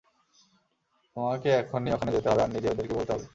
তোমাকে এখনই ওখানে যেতে হবে আর নিজে ওদেরকে বলতে হবে!